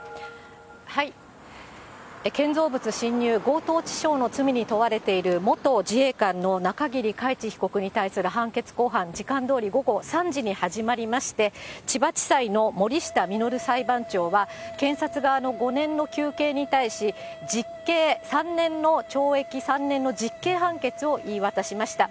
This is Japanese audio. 建造物侵入、強盗致傷の罪に問われている元自衛官の中桐海知被告に対する判決公判、時間どおり午後３時に始まりまして、千葉地裁のもりしたみのる裁判長は、検察側の５年の求刑に対し、実刑３年の、懲役３年の実刑判決を言い渡しました。